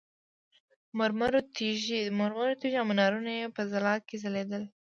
مرمرو تیږې او منارونه یې په ځلا کې ځلېدل.